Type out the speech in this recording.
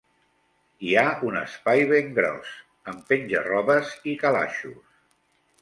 Hi ha un espai ben gros, amb penja-robes i calaixos.